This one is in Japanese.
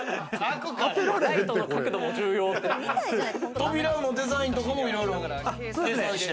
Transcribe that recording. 扉のデザインとかもいろいろ計算して？